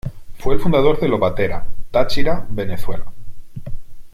Fue el fundador de Lobatera, Táchira, Venezuela.